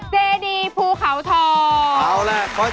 เจดีภูเขาทอง